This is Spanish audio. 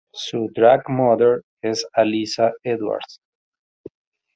Su "drag mother" es Alyssa Edwards.